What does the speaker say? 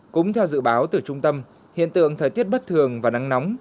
cũng theo dự báo từ trung tâm hiện tượng thời tiết bất thường và nắng nóng